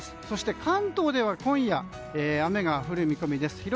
そして、関東では今夜、雨が降る見込みです。